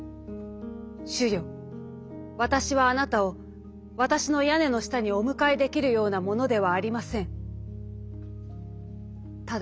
『主よわたしはあなたをわたしの屋根の下にお迎えできるような者ではありません』」。